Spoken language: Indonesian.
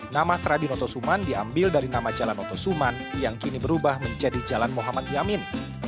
nama serabi noto suman diambil dari nama jalan otosuman yang kini berubah menjadi jalan muhammad yamin